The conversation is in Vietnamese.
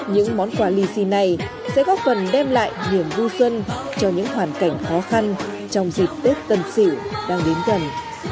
những món quà lì xì này sẽ góp phần đem lại niềm vui xuân cho những hoàn cảnh khó khăn trong dịp tết tân sửu đang đến gần